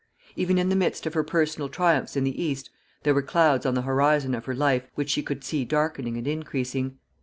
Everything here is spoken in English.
Even in the midst of her personal triumphs in the East, there were clouds on the horizon of her life which she could see darkening and increasing.